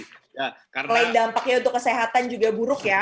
selain dampaknya untuk kesehatan juga buruk ya